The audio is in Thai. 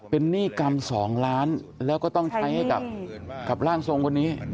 เป็นหนี้กรรม๒ล้านแล้วก็ต้องใช้ให้กับร่างทรงคนนี้